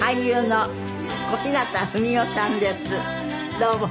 どうも。